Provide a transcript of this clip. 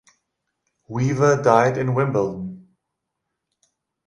Weaver died in Wimbledon.